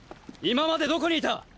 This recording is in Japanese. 今までどこにいた？